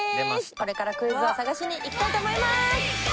これからクイズを探しに行きたいと思います！